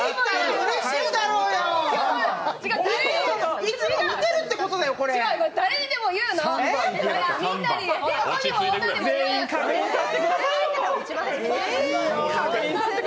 うれしいだろうよ！